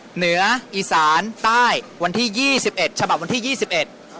เหนืออีสานใต้วันที่ยี่สิบเอ็ดฉบับวันที่ยี่สิบเอ็ด